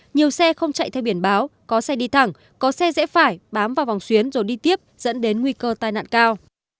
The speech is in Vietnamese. nhiều xe không chạy theo biển báo có xe đi thẳng có xe dễ phải bám vào vòng xuyến rồi đi tiếp dẫn đến nguy cơ tai nạn cao